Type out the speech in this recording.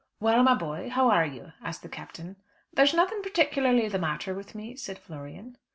"Well, my boy, how are you?" asked the Captain. "There's nothing particularly the matter with me," said Florian.